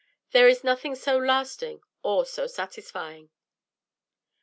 There is nothing so lasting or so satisfying.